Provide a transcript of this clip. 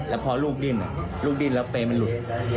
แล้วพอลูกดิ้นลูกดิ้นแล้วเปรย์มันหลุด